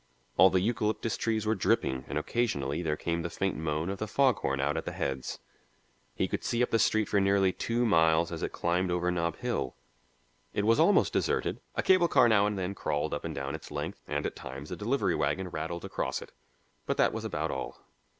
All the eucalyptus trees were dripping, and occasionally there came the faint moan of the fog horn out at the heads. He could see up the street for nearly two miles as it climbed over Nob Hill. It was almost deserted; a cable car now and then crawled up and down its length, and at times a delivery wagon rattled across it; but that was about all.